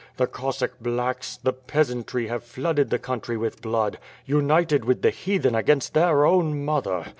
The Cossack 'blacks,' the peasantry, have flooded the country with blood; united with the Heathen against their own mother.